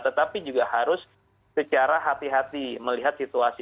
tetapi juga harus secara hati hati melihat situasi